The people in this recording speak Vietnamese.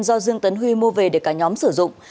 do dương tấn huy mua về để cả nhóm sử dụng